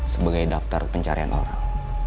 sebagai daftar pencarian orang